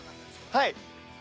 はい。